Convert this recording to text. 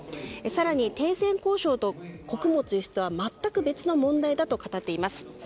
更に停戦交渉と穀物輸出は全く別の問題だと語っています。